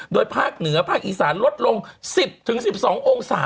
โดยภาคเหนือภาคอีสานลดลง๑๐๑๒องศา